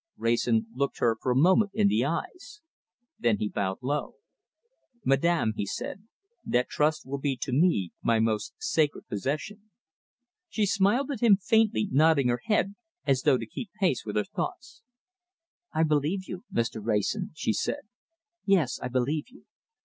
Wrayson looked her for a moment in the eyes. Then he bowed low. "Madame," he said, "that trust will be to me my most sacred possession." She smiled at him faintly, nodding her head as though to keep pace with her thoughts. "I believe you, Mr. Wrayson," she said. "Yes, I believe you!